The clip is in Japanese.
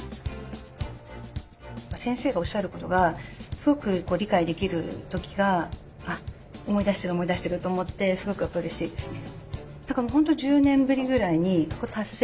先生がおっしゃることがすごく理解できる時が「あっ思い出してる思い出してる」と思ってすごくうれしいですね。